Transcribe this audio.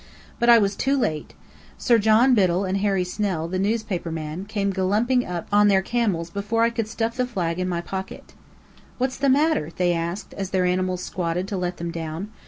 But I was too late. Sir John Biddell and Harry Snell, the newspaper man, came gallumping up on their camels before I could stuff the flag into my pocket. "What's the matter?" they asked, as their animals squatted to let them down.